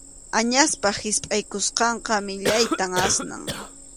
Añaspa hispʼaykusqanqa millayta asnan.